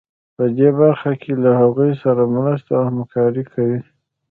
په دې برخه کې له هغوی سره مرسته او همکاري کوي.